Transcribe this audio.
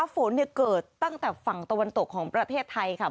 ฝนเกิดตั้งแต่ฝั่งตะวันตกของประเทศไทยค่ะ